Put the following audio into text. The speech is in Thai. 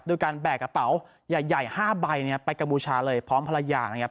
ด้วยการแบกกระเป๋าใหญ่๕ใบไปกรรมบูชาเลยพร้อมภรรยา